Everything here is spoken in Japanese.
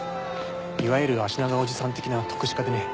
いわゆるあしながおじさん的な篤志家でね